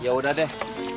ya udah deh